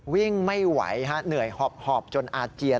วิ่งไม่ไหวเหนื่อยหอบจนอาเจียน